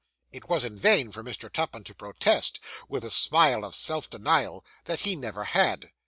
It was in vain for Mr. Tupman to protest, with a smile of self denial, that he never had.